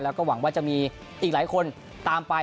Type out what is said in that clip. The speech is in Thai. แล้วก็หวังว่าจะมีอีกหลายคนตามไป